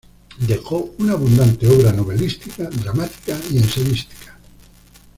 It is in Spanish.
Dejó una abundante obra novelística, dramática y ensayística.